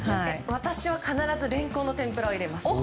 私は必ずレンコンのてんぷらを入れます。